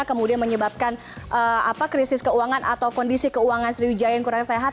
kemudian menyebabkan krisis keuangan atau kondisi keuangan sriwijaya yang kurang sehat